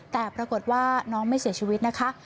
แต่ปรากฏว่าน้องไม่เสียชีวิตนะคะ